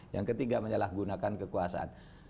yang ketiga menyalahgunakan kekuasaan